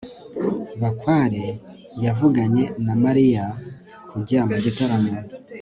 bakware yavuganye na mariya kujya mu gitaramo